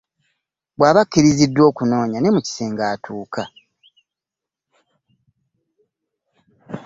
Bw'aba akkiriziddwa okunoonya ne mukisenga atuuka.